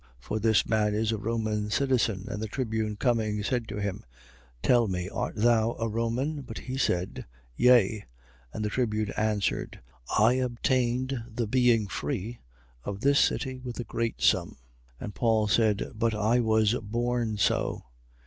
For this man is a Roman citizen. 22:27. And the tribune coming, said to him: Tell me. Art thou a Roman? But he said: Yea. 22:28. And the tribune answered: I obtained the being free of this city with a great sum. And Paul said: But I was born so.